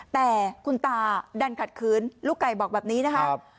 แต่คุณตาดันขัดขืนลูกไก่บอกแบบนี้นะครับ